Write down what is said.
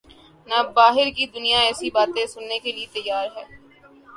نہ باہر کی دنیا ایسی باتیں سننے کیلئے تیار ہے۔